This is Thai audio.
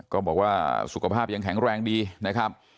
ก็บอกว่าสุขภาพยังแข็งแรงดีนะครับ